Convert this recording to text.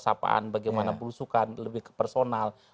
sapaan bagaimana berusukan lebih ke personal